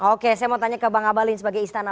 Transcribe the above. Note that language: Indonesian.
oke saya mau tanya ke bang abalin sebagai istana